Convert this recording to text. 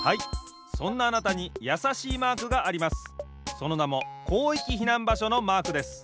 そのなも広域避難場所のマークです。